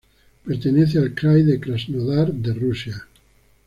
Pertenece al krai de Krasnodar de Rusia.